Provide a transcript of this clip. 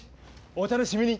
お楽しみに！